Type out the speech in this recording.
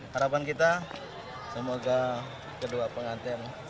harapan kita semoga kedua pengantin